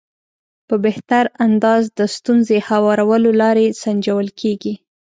په بهتر انداز د ستونزې هوارولو لارې سنجول کېږي.